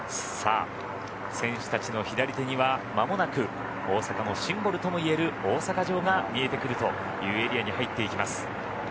選手たちの左手には間もなく大阪のシンボルともいえる大阪城が見えてくるというエリアに入っていきます。